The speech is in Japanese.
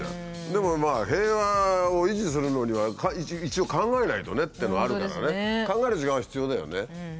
でも平和を維持するのには一応考えないとねっていうのはあるからね考える時間は必要だよね。